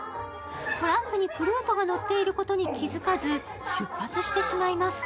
トランクにプルートが乗っていることに気付かず出発してしまいます。